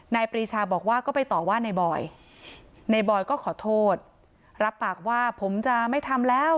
ปรีชาบอกว่าก็ไปต่อว่าในบอยในบอยก็ขอโทษรับปากว่าผมจะไม่ทำแล้ว